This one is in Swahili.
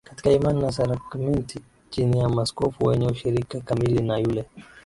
katika imani na sakramenti chini ya maaskofu wenye ushirika kamili na yule